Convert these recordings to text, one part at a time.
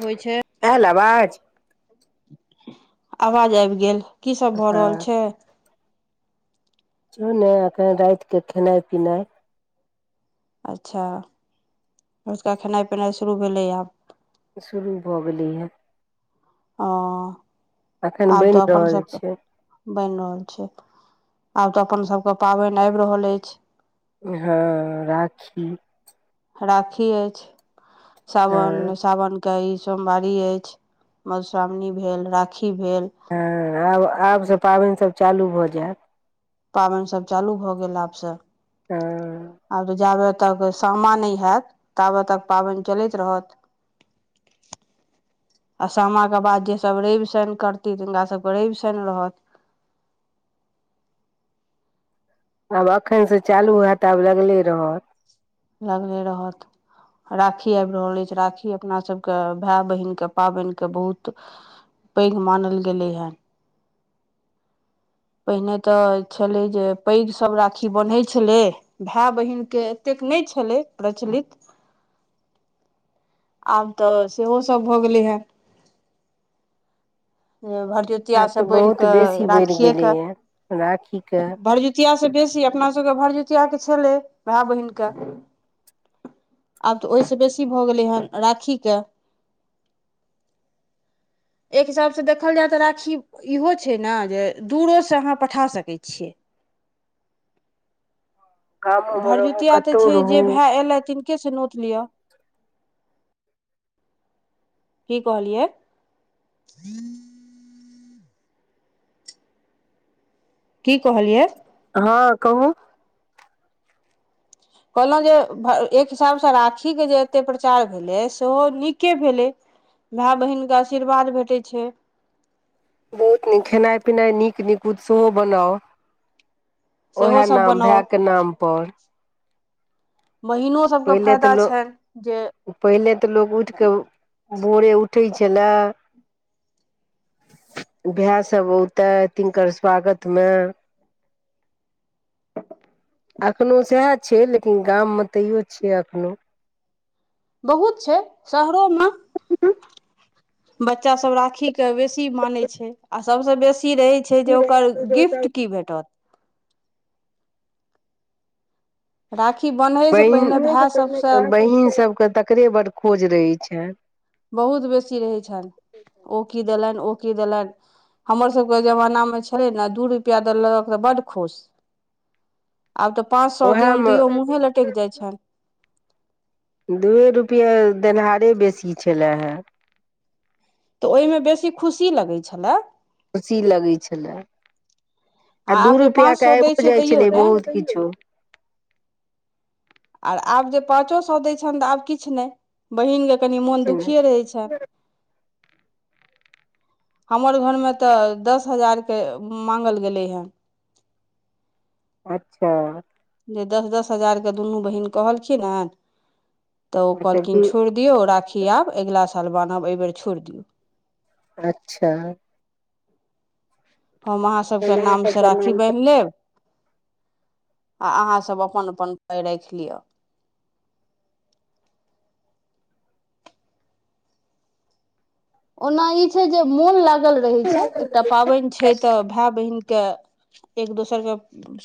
होइ छै ऐल आवाज। आवाज आबि गेल कीसभ भऽ रहल हँ छैय। छौ नहि एखन राति के खेनाइ पिनाइ अच्छा ओझुका खेनाइ पिनाइ शुरू भेलै आब। शुरू भऽ गेलै ये। ह अखन आब तऽ बनि अपन रहल सभके छै बनि रहल छैय। आब तऽ अपनसभके पाबैन आ झब रहल अइछ। हँ राखी। राखी अइछ हँ सावन सावन के ई सोमवारी अछि मधुश्रावणी भेल राखी भेल हँ आब आबसँ पाबनिसभ चालू भऽ जायत। पाबनि सभ चालू भऽ गेल आबसँ। तऽ आब तऽ जाबै तब सामा नहि होयैत ताबत तक पाबनि चलैत रहत। [inaudible] आ सामाके बाद जेसभ रैब शनि करती तिनकासभके रैब शनि रहत। [inaudible] आब एखन से चालू हए तऽ आब लगले रहत। लागले रहत। राखी आबि रहल अछि राखी अपना सभके भाय बहिनके पाबनिके बहुत पैघ मानल गेलै हँ। पहिने तऽ छलै जे पैघ सभ राखी बन्है छलै भाय बहिनके एतेक नहि छलै प्रचलित। आब तऽ सेहो सभ भऽ गेलै हे। आब तऽ भरदुतियााससँ बढ़ि बहुत कऽ बेसी बढ़ि राखिए गेलैए राखी केऽ के भरदुतिया से बेसी अपना सबके भरदुतिया के छलै भाय बहिनक के आब तऽ ओहिस बेसी भऽ गेलै हेन। राख कऽ एक हिसाबसँ देखल जाय तऽ राखी इहो छैय ने जे दूरोसँ अहाँ पठा सकै छियै। [inaudible] गामो आ मे रहू भरदुतिया तऽ कतौ छैय रहू जे भए एयलथि तिनके से नोत लिअ। की कहलियै [unintelligible] की कहलियै। हां कहु। कहलौ जे भ एक हिसाबसँ राखीके जे एते प्रचार भेलै सेहो नीके भेलै। भाय बहिन के आशीर्वाद भेटै छै। बहुत नीक खेनाय-पिनाय नीक नीकुत सोहो बनाउ। सेहो उहाए सभ नाम बनाउ भाय के नाम पर। बहिनो सभके पहिले तऽ फायदा लो छनि जे पहिले तऽ लोक उठ कऽ भोरे उठै छैलाए। भाय सब औतय तिनकर स्वागतमे। [inaudible] अखनो साएह छै, लेकिन गाममे तैयो छियै अखनो। बहुत छै शहरो मे। बच्चा सब राखी के बेसी मानै छै आ सबसे बेसी ई रहै छै जे ओकर गिफ्ट की भेटत। राखी बन्हैसँ पहिने भाय सभसँ बहिन, बहिन सबके तकरे बड खोज रहै छै। बहुत बेसी रहै छन, ओ की देलैन ओ की देलैन हमर सबके जवाना मे छलै ने दू रुपया देलक तऽ बड खुश। आब तऽ पाँच सौ उएह दियो न मे दियो मुहे लटैक जाय छैन। दूए रुपया देनहारे बेसी छलै हय। तऽ ओयमे बेसी खुशी लगै छलै। खुशी लगै छलै। आ दू आब जे पाँच रुपया के सए दै आएबो छै जाय तैयो छलै नहि बहुत किछो। आर आब जे पाँचो सौ दै छैन तऽ आब किछ नै बहिन ले तनी मन दुखिये रहै छाए। हमर घरमे तऽ दस हजार के मांगल गेलै हय। [inaudible] अच्छा। जे दस-दस हजारके दुनू बहिन कहलखिन हन। तऽ ओ अच्छा कहलखिन छोड़ दियौ, राखी आब एगला साल बान्हब ए बेेर छोड़ दियौ। अच्छा। हम अहाँ सबके नाम से राखी अच्छा बैन्ह लेब। आ अहाँ सब अपन-अपन पाइ राएख लियो। [inaudible] ओना ई छै जे मोन लागल रहै छै एकटा पाबैन छै तऽ भाय बहिन के एक दोसरके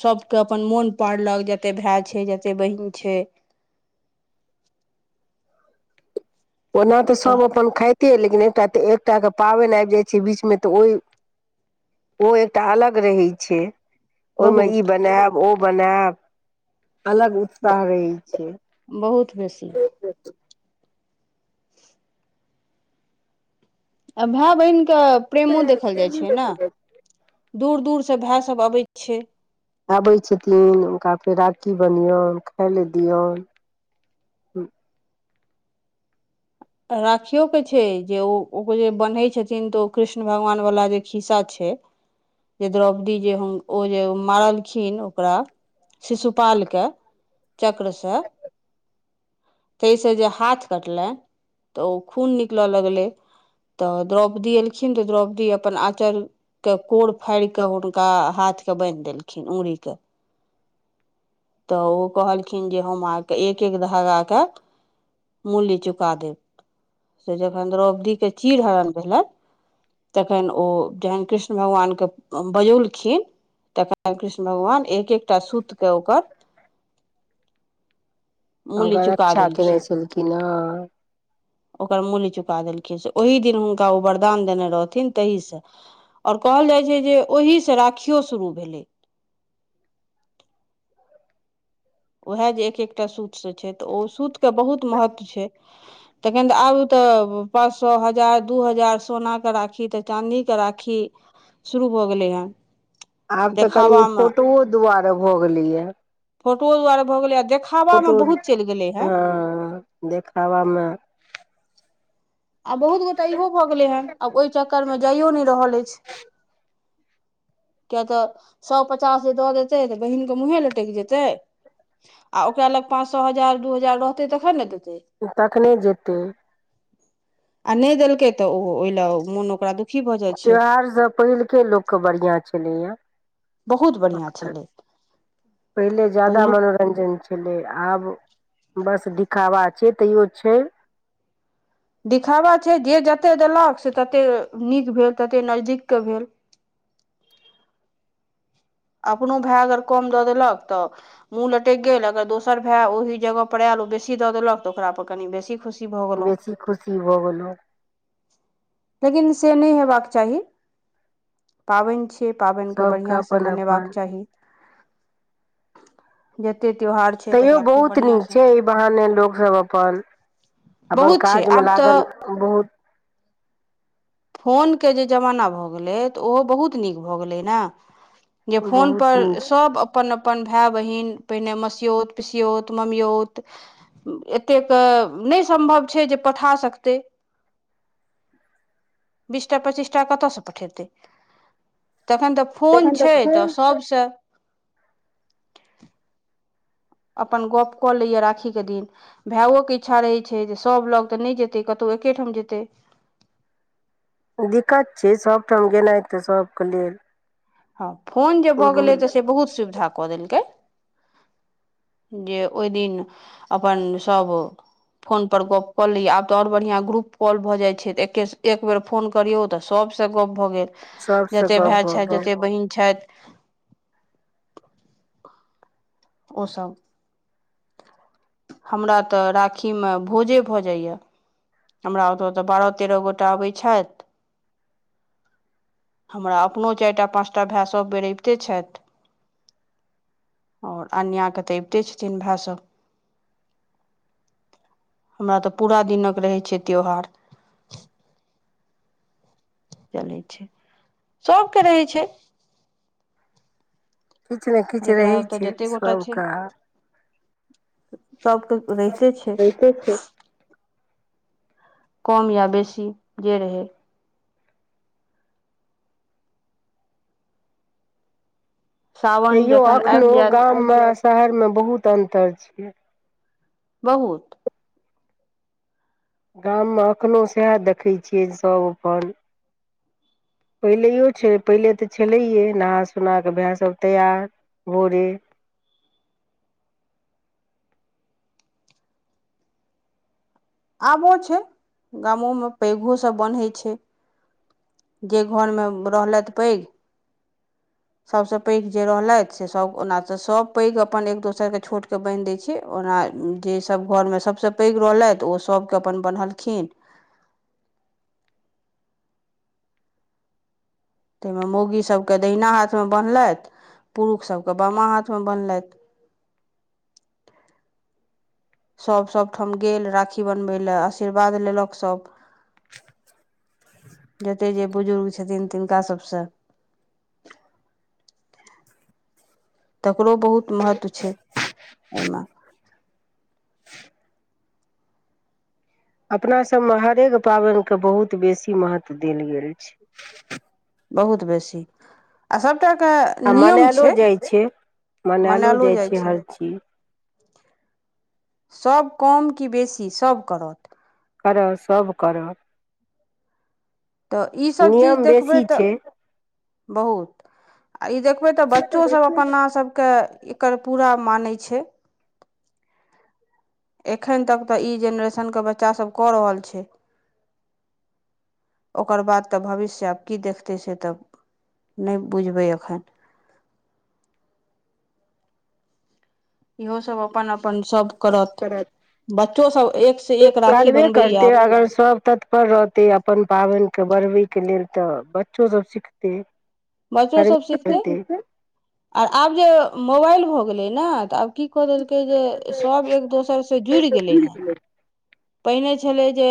सबके अपन मोन पारलक जते भाय छै, जते बहिन छै। [inaudible] ओना तऽ सब अपन खायते ले किन एकटा तऽ एकटाके पाबैन आएब जाय छै बीचमे तऽ ओय ओ एकटा अलग रहै छै। ओय मे ई बहुत बनाएब, ओ बनाएब। अलग उत्साह रहै बहुत बेसी छै। आ भाय-बहिन के प्रेमो देखल जाय छै नै। दूर-दूर से भाय सब अबैत छै। आबै छथिन हुनका फेर राखी बनहियौ, खाय ले दियौन। ह, राखियो के छै, जे ओ ओ जे बन्है छथिन तऽ ओ कृष्ण भगवान! वला जे खिस्सा छै। जे द्रौपदी जे ओ जे मारलखिन ओकरा। शिशुपालके, चक्रसँ। ताहिसँ जे हाथ कटलनि, तऽ ओ खून निकलय लगलै‌।। तऽ द्रौपदी एलखिन तऽ, द्रौपदी अपन आँचर्यके कोर फाड़ि कऽ हुनका हाथ के बान्हि देलखिन, ऊगरी के। तऽ ओ कहलखिन जे, हम अहाँ के एक- एक धागाके मूलय चुका देब, से जखन द्रोपदी चीड़ हरण भेलनि। तखन ओ जखन कृष्ण भगवानके बजौलखिन। तकर बाद कृष्ण भगवान! एक -एक टा सूत के ओकर मूल्य ओकरा चुका रक्षा केने देलखिन छलखिन हेँ। ओकर मूल्य चुका देलखिन, से ओहि दिन हुनका ओ वरदान देने रहथिन, तहिसँ। आर कहल जाइ छै, जे ओहिसँ राखियो शुरू भेलै। उएह जे एक -एकटा सूत से छै, तऽ ओ सूतके बहुत महत्व छै, तखन तऽ आब तऽ त पाँच सए, हजार, दू हजार, सोनाके राखी, तऽ चानदीके राखी। शुरू भऽ गेलै हँ। आब तऽ कनि फोटोओ दुआरे भऽ गेलैए। फोटोओ दुआारे भऽ गेलै। देखाबामे फोटो बहुत चलि गेलै हेँ हँ, देखाबामे! आ बहुत गोटा इहो भऽ गेलै है, आब ओहि चक्करमे जाइओ नहि रहल अछि। किया तऽ सए पचास दऽ देतै तऽ बहिनके मुँहे लटकि जेतै। आ ओकरा लग पाँच सो, हजार, दू हजार, रहतै तखन ने देै ओ तखने जेतै। आ नहि देलकै तऽ, ओ ओहि ल मोन ओकरा दु त्यौहारसँ पहिलके लोकके बढ़िआँ छलै है। बहुत बढ़िआँ छलै। पहिले जादा पहिलुक मनोरञजन छलै, आब बस दिखावा छै, तैयो छै। दिखावा छै, जे जतेक देलक से ततेक नीक भेल, ततेक नजदीकके भेल। [unintelligible] अपनो भाय अगर कम दऽ देलक ‍तऽ मुँह लटकि गेल, अगर दोसर भाय ओहि जगह पर आयल बेसी दऽ देलक, त ओरा पर कनि बेसी खुशी भऽ गेलहुँ बेसी खुशी भऽ गेलहु। लेकिन से नहि हेबाक चाही, पाबनि छी। पाबैन के सबके बढ़िया सँ अपन मनेबाक अपन चाहि। तैयो बहुत नीक छै, एहि बहाने लोकसभ अपन अपन बहुत छै काजमे आब तऽ लागल, बहुत फोनके जे जमाना भऽ गेलै, तऽ ओहो बहुत नीक भऽ गेलै ने। जे फोन बहुत पर सभ नीक अपन -अपन भाय -बहिन, पहिने मसिऔत, पिसिऔत, ममिऔत, एते के नहि सम्व छै जे पठा सकतै। बीस टा, पच्चीस टा, कतयसँ पठेयतै। तखन त फोन छैय, छै त सब से। अपन गप कऽ लैय‌ राखीके दिन, भायओ के इच्छा रहैत छै, जे सभ लग तऽ नहि जेतै कतहु एके ठाम जेतै। दिकत छै सभठाम गेनाइ त सभके लेल। हँ, फोन जे भ गेलै त बहुत से बहुत सुविधा क देलकै। जे ओहि दिन अपन सभ फोन पर गप क लियै आब त और बढ़ियां ग्रुप कॉल भ जाइत छै त एके एक बेर फोन करियौ त सभ सब से गप भ गेल, सबसँ जते गप भाय भऽ छै ज गेल छथि। ओ सभ हमरा त राखीमे भोजे भ जाइए। हमरा ओत त बारह तेरह गोटा अबै छथि हमरा अपनो चारि टा पाँच टा भाय सभ बेर अबिते छथि। और अनन्याके त अबिते छथिन भाय सभ हमरा त पूरा दिनक रहै छै त्यौहार। चलै छै, सभके रहै छै। किछु ने किछु जकरा रहै ओत छै जतेक गोटा छै। सबके सबके त रहिते छै। होइते छै कम या बेसी जे रहै। सावन तैयो जखन एखनो आबि जायत गाममे आ शहरमे बहुत अन्तर छै। बहुत। गाममे एखनहु सैह देखै छियै सभ अपन पहिलैओ छलै पहिले त छलैए नहा सोना क भाय सभ तैयार भोरे [unintelligible] आबो छै, गामोमे पैघोसभ बन्है छै जे घरमे रहलथि पैघ सभसँ पैघ जे रहलथि से सभ ओना त सभ पैघ अपन एक दोसर के छोट के बान्हि दै छ ओना जे सभ घरमे सभसँ पैघ रहलथि ओ सभके अपन बन्हलखिन [unintelligible] तैमे मौगी सभके दहिना हाथमे बन्हलथि। पुरुष सभके बामा हाथमे बन्हलथि। सभ सभठाम गेल राखी बन्हबै लेल आशीर्वाद लेलक सभ। जतेक जे बुजुर्ग छथिन तिनका सभसे [unintelligible] तकरो बहुत महत्व छै एहिमे। अपनासभमे हरेक पाबनिके बहुत बेसी महत्व देल गेल छै। बहुत बेसी, आ सब सबटाके आ नियम मनायलो छै, जाइ छै मनायलो मनैलो जाइ छै। हर चीज सब कम के बेसी, सब करत। करत, सभ करत। त इ सभ चीज देखबै त छै बहुत, आ ई देखबै त बच्चो सभ अपना सभके एकर पूरा मानै छै। एखैन तक त ई जेनरेशनके बच्चा सभ क रहल छै। ओकर बाद त भविष्य आब की देखतै से त नै बुझबै एखन। इहोसभ अपन अपन सत करत। बच्चो सब एक से एक राखी करबे बनबैये करते आब अगर सब तत्पर रहते अपन पाबन के बढ़बैके लेल तऽ बच्चो सभ सिखतै बच्चोसभ करबे सिखतै करतै आर आब जे मोबाइल भऽ गेलै ने तऽ आब की कऽ देलकै जे सब एक दोसर से जुड़ि गेलै हँ। पहिने छलै जे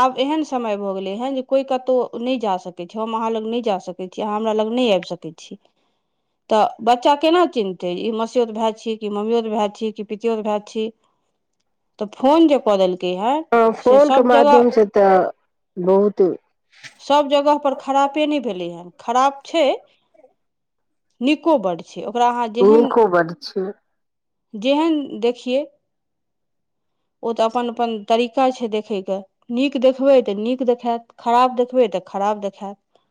आब एहन समय भऽ गेलै हेँ जे कोइ कतहु नहि जा सकैत छैय, हम अहाँ लग नहि जा सकैत छी अहाँ हमरा लग नै आब सकै छी। तऽ बच्चा केना चिन्हतै ई मासओत भाय छी कि मम्मियओत भाय छी कि पितियोत भाय छी। तऽ फोन जे के है हँ से सब फोनके जगह माध्यमसँ तऽ बहुत सभ जगह पर खरापे नैभेलै हेन। खराब छैय नीको बड छैयओकरा अहाँ जेहन नीको बड छै जेहन देखियै। ओ तऽ अपन अपन तरीका छैय देखैके नीक देखबै तऽ नीक देखायत खराब देखबै तऽ ते खराब देखात।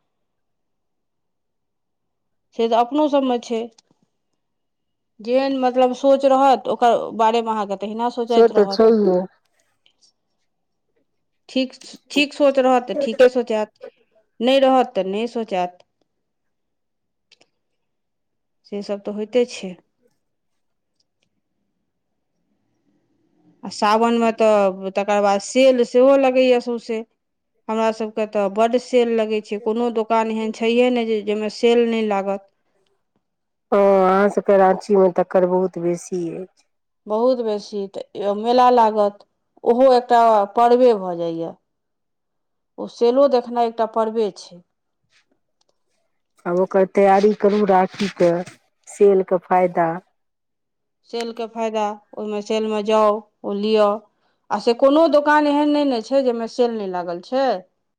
से तऽ अपनो सभमे छैय जेहन मतलब सोच रहत ओकर बारेमे अहाँके तहि से सोचाइत तऽ रहत। छैहे हँ ठीक ठीक सोच रहत तऽ ठीके सोच आत नहि रह रहत नै सोचात। से सभ तऽ होइते छैय। आ सावनमे तऽ तकर बाद सेल सेहो लगैए सौंसे। हमरा सभके तऽ बड सेल लगे छैय कोनो दुकान एहन छैहये नहि जाहिमे सेल नहि लागत। हँ अहाँसभके राँचीमे तकर बहुत बेसी अछि। बहुत बेसी तऽ मेला लागत। ओहो एकटा पर्वे भऽ जाइए। ओ सेलो देखनाइ एकटा पर्वे छी। आब ओकर तैयारी करू राखीके सेलके फायदा सेलके फायदा ओहिमे सेलमे जाउ ओ लिअ। आ से कोनो दोकान एहन नै ने छैय जाहिमे सेल नहि लागल छैय।